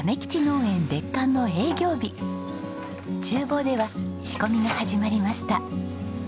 厨房では仕込みが始まりました。